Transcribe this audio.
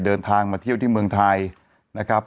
เดินทางมาเที่ยวที่เมืองไทยนะครับ